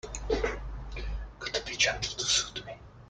Gotta be gentle to suit me.